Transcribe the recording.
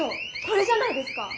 これじゃないですか？